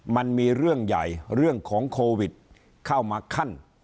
มันมีเรื่องใหญ่เรื่องของโควิดเข้ามาขั้น